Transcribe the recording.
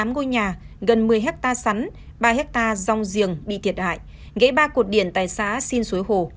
bảy mươi tám ngôi nhà gần một mươi ha sắn ba ha rong giềng bị thiệt hại gây ba cột điển tại xã sinh suối hồ